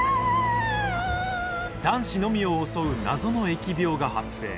男子のみを襲う謎の疫病が発生。